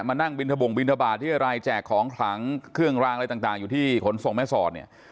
นั่งบินทบงบินทบาทที่อะไรแจกของขลังเครื่องรางอะไรต่างอยู่ที่ขนส่งแม่สอดเนี่ย